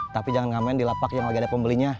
tapi jangan ngamen di lapak yang lagi ada pembelinya